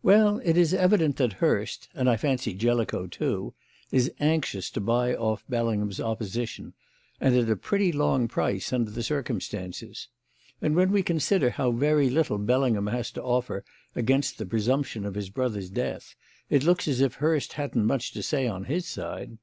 "Well, it is evident that Hurst and, I fancy, Jellicoe too is anxious to buy off Bellingham's opposition, and at a pretty long price, under the circumstances. And when we consider how very little Bellingham has to offer against the presumption of his brother's death, it looks as if Hurst hadn't much to say on his side."